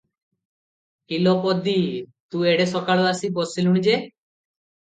"କି ଲୋ ପଦୀ! ତୁ ଏଡେ ସକାଳୁ ଆସି ବସିଲୁଣି ଯେ?"